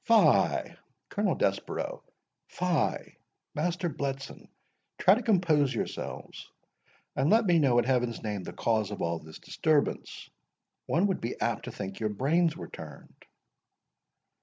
Fie, Colonel Desborough—fie, Master Bletson—try to compose yourselves, and let me know, in Heaven's name, the cause of all this disturbance. One would be apt to think your brains were turned."